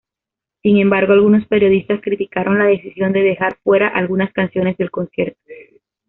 Sin embargo, algunos periodistas criticaron la decisión de dejar fuera algunas canciones del concierto.